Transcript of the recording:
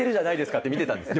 って見てたんですね。